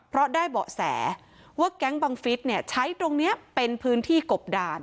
เพราะได้เบาะแสว่าแก๊งบังฟิศใช้ตรงนี้เป็นพื้นที่กบด่าน